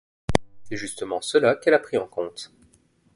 C’est justement cela qu’elle a pris en compte.